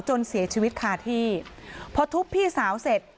จนเสียชีวิตคาที่พอทุบพี่สาวเสร็จ